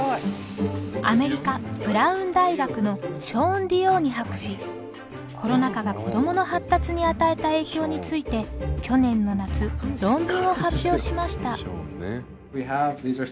アメリカブラウン大学のコロナ禍が子どもの発達に与えた影響について去年の夏論文を発表しました。